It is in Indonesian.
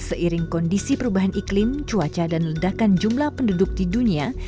seiring kondisi perubahan iklim cuaca dan ledakan jumlah penduduk di dunia